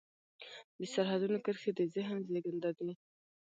د سرحدونو کرښې د ذهن زېږنده دي.